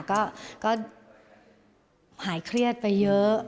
ก็หายเครียดไปเยอะ